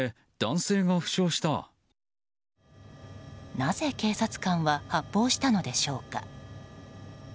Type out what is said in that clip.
なぜ、警察官は発砲したのでしょうか。